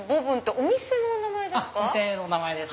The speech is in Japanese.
お店の名前です。